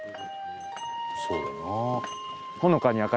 「そうだよな」